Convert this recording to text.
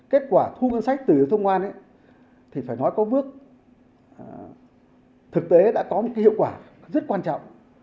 kết quả thu ngân sách từ thông quan thì phải nói có bước thực tế đã có những hiệu quả rất quan trọng